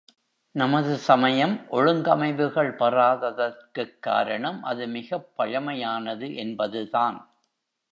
நமது சமயம் ஒழுங்கமைவுகள் பெறாததற்குக் காரணம் அது மிகப் பழமையானது என்பது தான்.